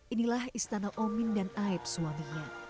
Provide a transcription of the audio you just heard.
inilah istana omin dan aib suaminya